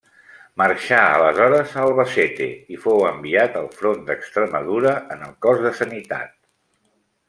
Marxà aleshores a Albacete i fou enviat al front d'Extremadura en el Cos de Sanitat.